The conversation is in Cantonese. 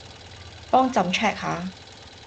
幫朕 check 吓